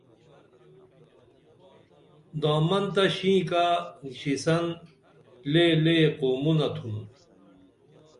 دامن تہ شینکہ نیشیسن لےلے قومونہ تُھن